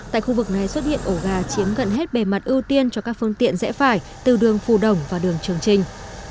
tại khu vực này xuất hiện ổ gà chiếm gần hết bề mặt ưu tiên cho các phương tiện rẽ phải từ đường phù đổng và đường trường trinh